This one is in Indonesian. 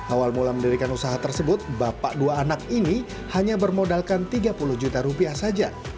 awal mula mendirikan usaha tersebut bapak dua anak ini hanya bermodalkan tiga puluh juta rupiah saja